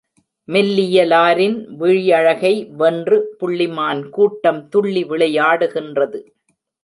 மெல்லியலாரின் விழியழகை வென்று, புள்ளிமான் கூட்டம் துள்ளி விளையாடுகின்றது.